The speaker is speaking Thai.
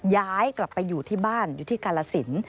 ย้ายกลับไปอยู่ที่บ้านอยู่ที่กาลสิน